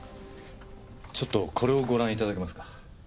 ちょっとこれをご覧頂けますか？